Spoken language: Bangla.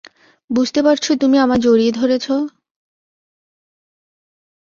বুঝতে পারছো তুমি আমায় জড়িয়ে ধরেছ?